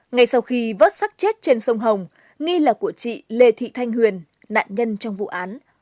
ngay sau khi vớt sắc chết trên sông hồng nghi là của chị lê thị thanh huyền nạn nhân trong vụ án